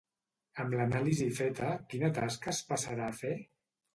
Amb l'anàlisi feta quina tasca es passarà fer?